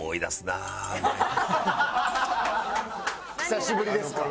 久しぶりですか？